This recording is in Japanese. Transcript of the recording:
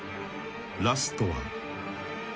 ［ラストは］